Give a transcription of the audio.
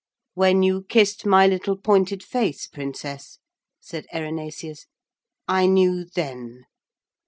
'When you kissed my little pointed face, Princess,' said Erinaceus, 'I knew then.'